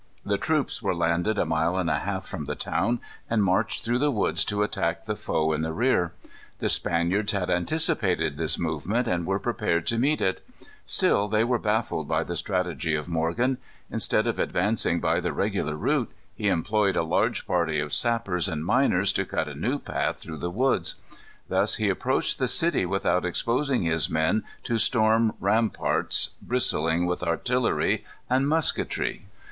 The troops were landed a mile and a half from the town, and marched through the woods to attack the foe in the rear. The Spaniards had anticipated this movement and were prepared to meet it. Still they were baffled by the strategy of Morgan. Instead of advancing by the regular route, he employed a large party of sappers and miners to cut a new path through the woods. Thus he approached the city without exposing his men to storm ramparts bristling with artillery and musketry.